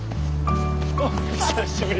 おっ久しぶり！